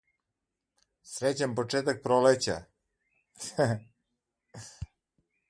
There are several variations of this technology.